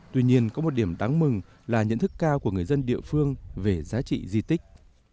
tuy nhiên có một điểm đáng mừng là nhận thức cao của người dân địa phương về giá trị di tích